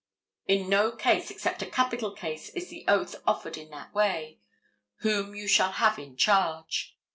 In no case except a capital case is the oath offered in that way—"whom you shall have in charge."